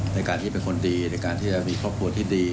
ในการที่เป็นคนดีในการที่จะมีครอบครัวที่ดี